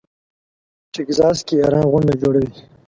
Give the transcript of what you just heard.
ټکزاس کې یاران غونډه جوړوي.